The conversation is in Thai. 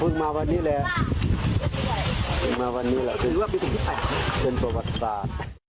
พึ่งมาวันนี้แหละมาวันนี้แหละคือว่าเป็นประวัติศาสตร์